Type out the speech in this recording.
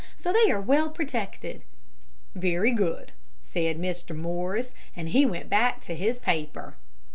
So they are well protected." "Very good," said Mr. Morris. And he went back to his paper.